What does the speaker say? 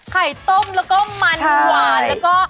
ไข่ต้มแล้วก็มันหวานแล้วก็